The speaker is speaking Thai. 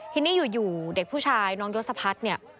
ทีนี้อยู่เด็กผู้ชายน้องยศพัฒน์เนี่ย